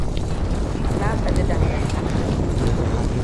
Na tsani dangantaka.